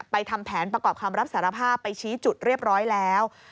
ทำแผนประกอบคำรับสารภาพไปชี้จุดเรียบร้อยแล้ว